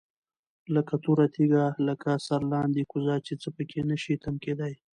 لكه توره تيږه، لكه سرلاندي كوزه چي څه په كي نشي تم كېدى